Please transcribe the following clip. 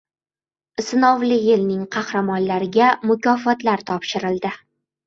Sinovli yilning qahramonlariga mukofotlar topshirildi